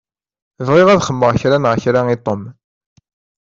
Bɣiɣ ad xedmeɣ kra neɣ kra i Tom.